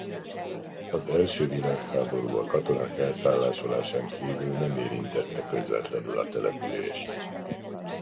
Az első világháború a katonák elszállásolásán kívül nem érintette közvetlenül a települést.